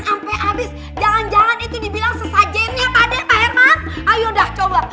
sampai habis jangan jangan itu dibilang saja ini pada pak herman ayo dah coba